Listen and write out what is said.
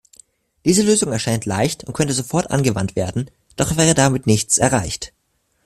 Diese Lösung erscheint leicht und könnte sofort angewandt werden, doch wäre damit nichts erreicht.